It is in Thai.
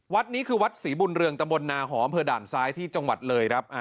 วัดนี้คือวัดศรีบุญเรืองตำบลนาหอมอำเภอด่านซ้ายที่จังหวัดเลยครับ